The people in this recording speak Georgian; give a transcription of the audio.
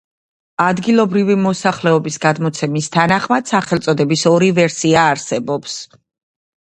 ადგილობრივი მოსახლეობის გადმოცემის თანახმად სახელწოდების ორი ვერსია არსებობს.